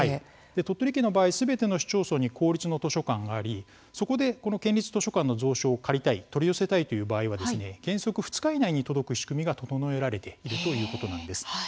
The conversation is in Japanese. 鳥取県の場合はすべての市町村に公立の図書館があり、そこで県立図書館の蔵書を借りたい取り寄せたいという場合は原則２日以内に届くという仕組みが整えられているということです。